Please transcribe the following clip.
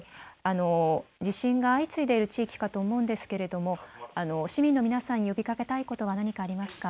地震が相次いでいる地域かと思うんですけれども、市民の皆さんに呼びかけたいことは何かありますか。